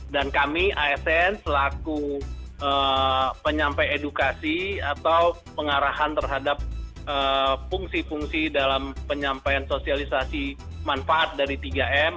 dan kami asn selaku penyampaian edukasi atau pengarahan terhadap fungsi fungsi dalam penyampaian sosialisasi manfaat dari tiga m